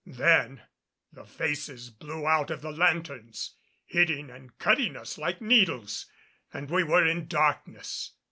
Then the faces blew out of the lanthorns, hitting and cutting us like needles, and we were in darkness.